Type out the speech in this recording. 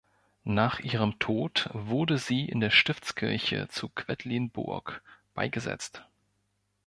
Nach ihrem Tod wurde sie in der Stiftskirche zu Quedlinburg beigesetzt.